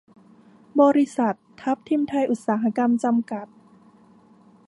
บริษัท ทับทิมไทยอุตสาหกรรม จำกัด